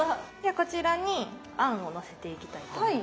こちらに餡をのせていきたいと思います。